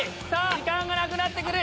時間がなくなって来る！